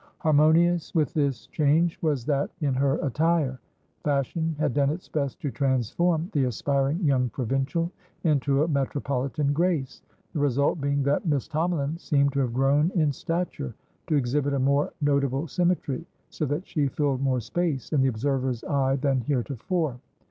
Harmonious with this change was that in her attire; fashion had done its best to transform the aspiring young provincial into a metropolitan Grace; the result being that Miss Tomalin seemed to have grown in stature, to exhibit a more notable symmetry, so that she filled more space in the observer's eye than heretofore.